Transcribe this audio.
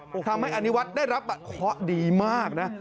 ก็ทำให้อนิวัตรได้รับปะดีมากนะ